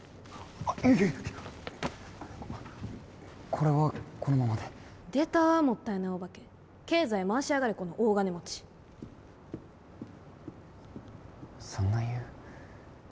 あっいやこれはこのままで出たーもったいないオバケ経済回しやがれこの大金持ちそんな言う？